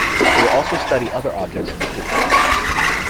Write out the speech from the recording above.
It will also study other objects in the Kuiper belt.